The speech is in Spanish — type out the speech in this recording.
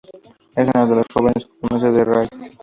Es una de las jóvenes promesas del raid.